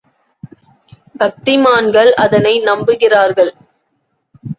பக்திமான்கள் அதனை நம்புகிறார்கள்.